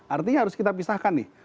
artinya harus kita pisahkan nih